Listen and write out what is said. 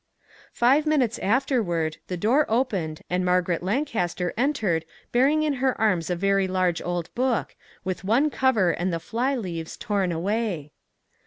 Five minutes afterward the door opened and Margaret Lancaster entered bearing in her arms a very large old book, with one cover and the fly leaves torn away.